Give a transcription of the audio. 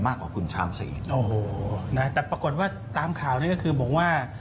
มากกว่าคุณชามสี่โอ้โหนะแต่ปรากฏว่าตามข่าวนี้ก็คือบอกว่า